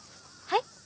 はい？